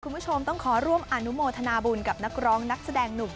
คุณผู้ชมต้องขอร่วมอนุโมทนาบุญกับนักร้องนักแสดงหนุ่ม